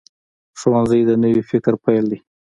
ښوونځی د نوي فکر پیل دی